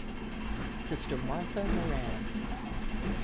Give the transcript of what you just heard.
Sister Martha Moran.